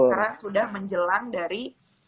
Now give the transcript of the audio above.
karena sudah menjelang dari